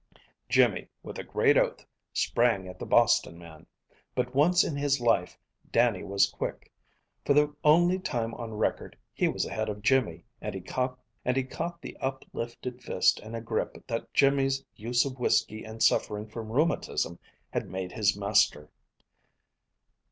Jimmy, with a great oath, sprang at the Boston man. But once in his life Dannie was quick. For the only time on record he was ahead of Jimmy, and he caught the uplifted fist in a grip that Jimmy's use of whiskey and suffering from rheumatism had made his master.